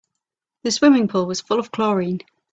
The swimming pool was full of chlorine.